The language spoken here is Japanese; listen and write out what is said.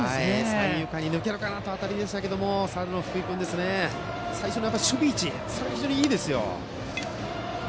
三遊間に抜けるかという当たりでしたが、サードの福井君最初の守備位置が非常にいいですよ。